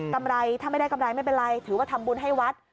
ไรถ้าไม่ได้กำไรไม่เป็นไรถือว่าทำบุญให้วัด